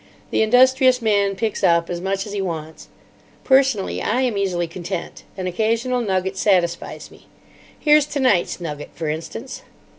The industrious man picks up as much as he wants. Personally, I am easily content. An occasional nugget satisfies me. Here's tonight's nugget, for instance."